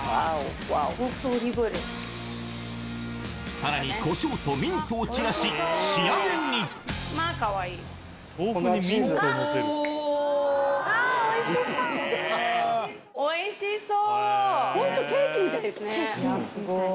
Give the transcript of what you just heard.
さらにコショウとミントを散らし仕上げにあおいしそう！